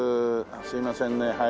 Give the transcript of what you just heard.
すいませんねはい。